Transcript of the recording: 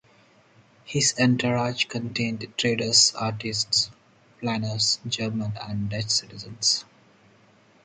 His entourage contained traders, artists, planners, German and Dutch citizens.